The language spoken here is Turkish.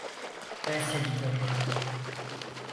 Ben seni korurum.